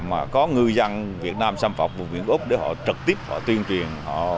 mà có ngư dân việt nam xâm phạm vùng biển úc để họ trực tiếp họ tuyên truyền